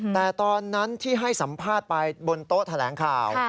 แต่ตอนนั้นที่ให้สัมภาษณ์ไปบนโต๊ะแถลงข่าว